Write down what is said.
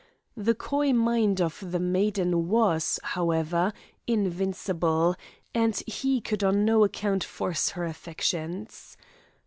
The coy mind of the maiden was, however, invincible, and he would on no account force her affections.